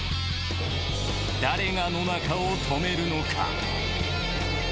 誰が野中を止めるのか？